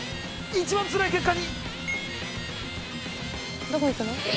一番つらい結果に⁉どこ行くの？